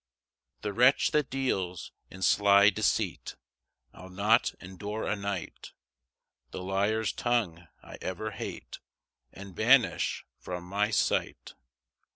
5 The wretch that deals in sly deceit, I'll not endure a night; The liar's tongue I ever hate, And banish from my sight.